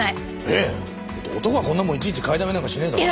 えっ男がこんなもんいちいち買いだめなんかしねえだろ。